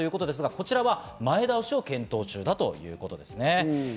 これは前倒しを検討中だということです。